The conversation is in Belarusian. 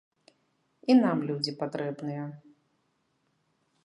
І нам людзі патрэбныя.